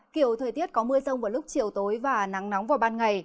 kiểu thời tiết có mưa rông vào lúc chiều tối và nắng nóng vào ban ngày